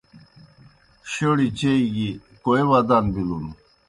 شوڑیْ چیئی گیْ کوئے ودان بِلُن